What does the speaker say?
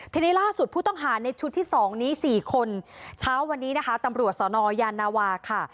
ทีนี้ล่าสุดผู้ต้องหาในชุดที่๒นี้๔คนเช้าวันนี้นะคะตำรวจสนยานาวาค่ะ